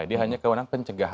dia hanya kewenangan pencegahan